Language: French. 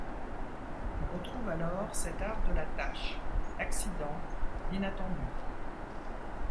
On retrouve alors cet art de la tache, l’accident, l’inattendu.